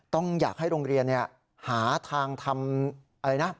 ต้องอยากให้โรงเรียนหาทางทำ